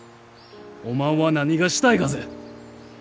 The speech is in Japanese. おまんは何がしたいがぜ？